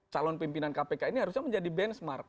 calon pimpinan kpk ini harusnya menjadi benchmark